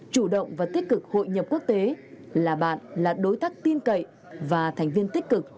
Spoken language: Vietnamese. chủ động và tích cực hội nhập quốc tế là bạn là đối tác tin cậy và thành viên tích cực